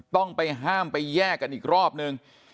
ต้องไปห้ามไปแยกกันอีกรอบนึง